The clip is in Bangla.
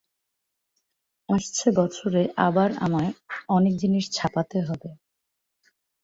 আসছে বছরে আবার আমায় অনেক জিনিষ ছাপাতে হবে।